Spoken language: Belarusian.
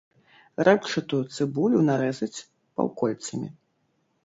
Рэпчатую цыбулю нарэзаць паўкольцамі.